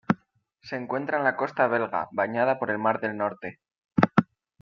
Se encuentra en la costa belga, bañada por el Mar del Norte.